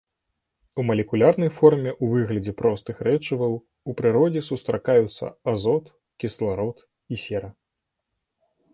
У малекулярнай форме ў выглядзе простых рэчываў у прыродзе сустракаюцца азот, кісларод і сера.